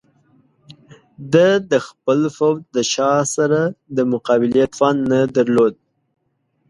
د ده خپل پوځ د شاه سره د مقابلې توان نه درلود.